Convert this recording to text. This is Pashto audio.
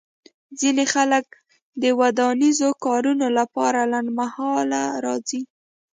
ځینې خلک د ودانیزو کارونو لپاره لنډمهاله راځي